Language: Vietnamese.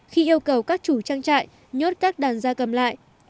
khi yêu cầu các chủ trang trại nhốt các đàn gia cầm lại